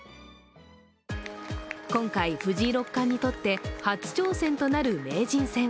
今回、藤井六冠にとって初挑戦となる名人戦。